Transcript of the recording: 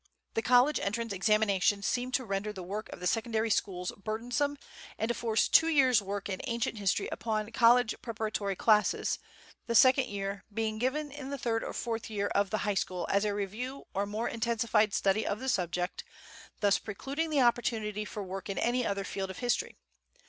The college entrance examinations seem to render the work of the secondary schools burdensome and to force two years' work in ancient history upon college preparatory classes, the second year being given in the third or fourth year of the high school as a review or more intensified study of the subject, thus precluding the opportunity for work in any other field of history.